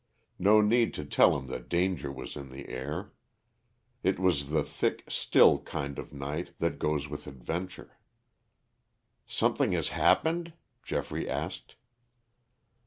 No need to tell him that danger was in the air. It was the thick, still kind of night that goes with adventure. "Something has happened?" Geoffrey asked.